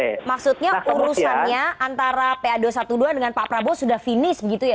artinya maksudnya urusannya antara pado satu dua dengan pak prabowo sudah finish begitu ya